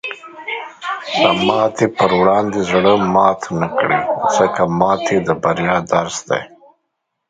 د ماتې په وړاندې زړۀ مات نه کړه، ځکه ماتې د بریا درس دی.